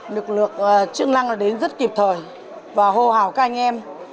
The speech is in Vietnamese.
lực lượng chức năng đã đến rất kịp thời và hô hào các anh em